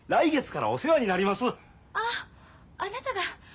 ああなたが。